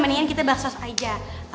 mendingan kita bakt sosial aja